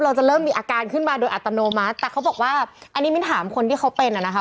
เราจะเริ่มมีอาการขึ้นมาโดยอัตโนมัติแต่เขาบอกว่าอันนี้มิ้นถามคนที่เขาเป็นอ่ะนะคะ